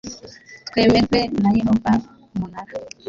twemerwe na yehova umunara